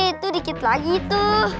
itu dikit lagi tuh